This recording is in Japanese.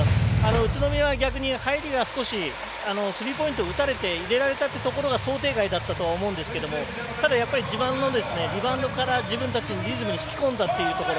宇都宮は逆に入りが少しスリーポイント打たれて入れられたというところが想定外だったと思うんですけどただ、自慢のリバウンドから自分たちのリズムに引き込んだというところ。